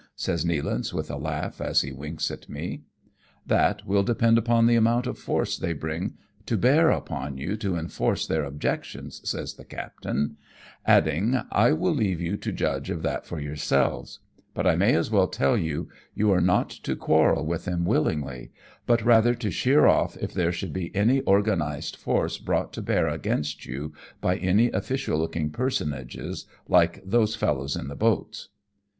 says Nealance with a laugh as he winks at me. " That will depend upon the amount of force they SUGGESTED VISIT TO NAGASAKI. 165 bring to bear upon you to enforce their objections," says the captain ; adding, " I will leave you to judge of that for yourselves ; but I may as well tell you, you are not to quarrel with them willingly, but rather to sheer oflf if there should be any organized force brought to bear against you by any official looking personages like those fellows in the boats."